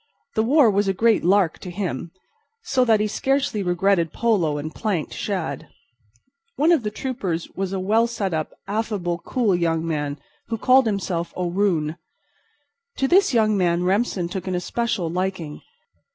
The war was a great lark to him, so that he scarcely regretted polo and planked shad. One of the troopers was a well set up, affable, cool young man, who called himself O'Roon. To this young man Remsen took an especial liking.